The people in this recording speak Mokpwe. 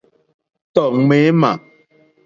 Tɔ̀ ŋměmà.